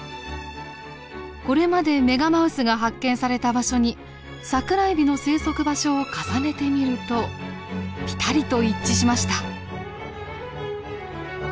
これまでメガマウスが発見された場所にサクラエビの生息場所を重ねてみるとピタリと一致しました。